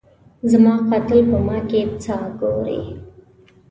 زما قاتل په ما کي ساه ګوري